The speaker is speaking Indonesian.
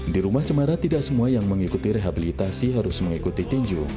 di rumah cemara tidak semua yang mengikuti rehabilitasi harus mengikuti tinju